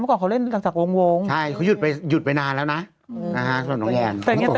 เมื่อก่อนเขาเล่นหลังจากวงใช่เขาหยุดไปหยุดไปนานแล้วน่ะอืม